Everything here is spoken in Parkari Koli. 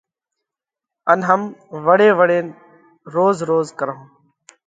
ان ھم وۯي وۯينَ روز روز ڪرونھ۔